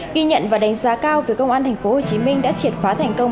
ghi nhận và đánh giá cao từ công an tp hcm đã triệt phá thành công